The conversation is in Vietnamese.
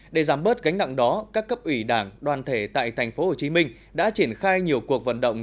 để giảm bớt gánh nặng đó các cấp ủy đảng đoàn thể tại tp hcm đã triển khai nhiều cuộc vận động